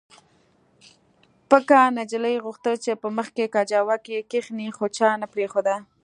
پکه نجلۍ غوښتل چې په مخکې کجاوو کې کښېني خو چا نه پرېښوده